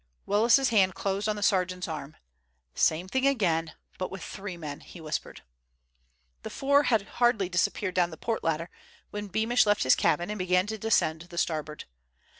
Willis's hand closed on the sergeant's arm. "Same thing again, but with three men," he whispered. The four had hardly disappeared down the port ladder when Beamish left his cabin and began to descend the starboard.